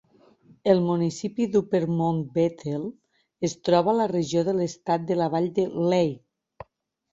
El municipi d'Upper Mount Bethel es troba a la regió de l'estat de la vall de Lehigh.